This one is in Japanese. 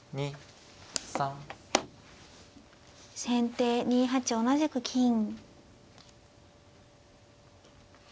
先手２八同じく金。